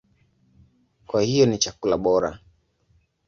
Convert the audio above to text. Kwa hiyo ni chakula bora.